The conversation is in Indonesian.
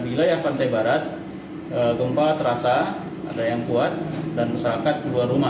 menjelaskan hingga saat ini belum ada laporan terkait korban jiwa